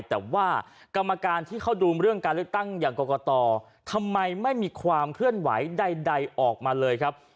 แต่ว่ากรรมการที่เขาดูเรื่องการเลือกตั้งอย่างกรกตทำไมไม่มีความเคลื่อนไหวใดออกมาเลยครับ